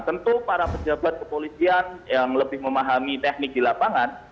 tentu para pejabat kepolisian yang lebih memahami teknik di lapangan